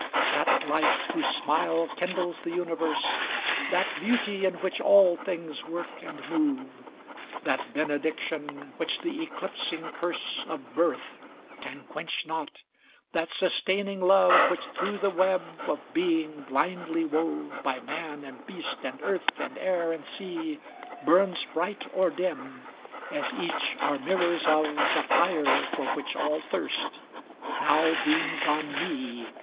LIV That Light whose smile kindles the Uni verse, That Beauty in which all things work and move, That Benediction which the eclipsing Curse Of birth can quench not, that sustaining Love Which through the web of being blindly wove By man and beast and earth and air and sea. Burns bright or dim, as each are mirrors of The fire for which all thirst, now beams on me.